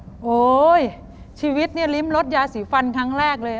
โอ้โหชีวิตเนี่ยลิ้มลดยาสีฟันครั้งแรกเลย